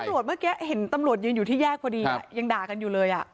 แล้วตำรวจเมื่อกี้เห็นตำรวจยังอยู่ที่แยกพอดียังด่ากันอยู่เลยอะ